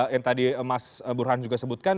yang tadi mas burhan juga sebutkan